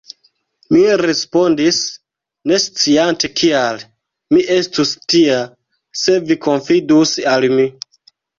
Mi respondis, nesciante kial: Mi estus tia, se vi konfidus al mi.